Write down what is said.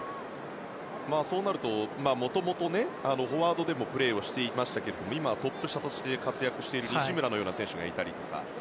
そうなると元々フォワードでもプレーされていましたが今、トップ下として活躍する西村のような選手がいたり。